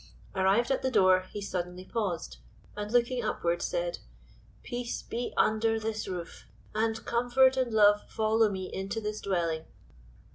Arrived at the door, he suddenly paused, and looking upward, said: "Peace be under this roof, and comfort and love follow me into this dwelling."